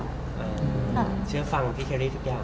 อเจมส์เชื่อฟังพี่เครียร์ทุกอย่าง